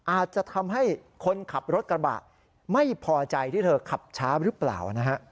อาจจะทำให้คนขับรถกระบะไม่พอใจที่เธอขับช้าหรือเปล่านะฮะ